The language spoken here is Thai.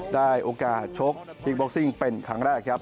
ได้โอกาสชกคิกบ็อกซิ่งเป็นครั้งแรกครับ